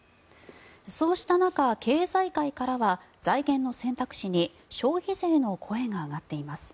そうした中経済界からは財源の選択肢に消費税の声が上がっています。